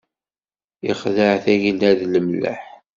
Ixdeɛ tagella d lemleḥ.